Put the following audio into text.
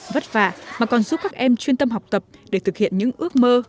vất vả mà còn giúp các em chuyên tâm học tập để thực hiện những ước mơ